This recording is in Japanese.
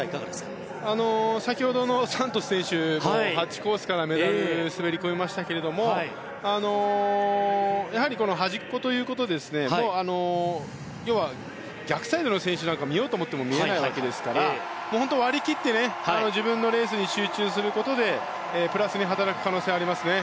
先ほどのサントス選手も８コースからメダルに滑り込みましたけど端っこということで要は逆サイドの選手なんか見ようと思っても見えないわけですから本当に割り切って自分のレースに集中することでプラスに働く可能性はありますね。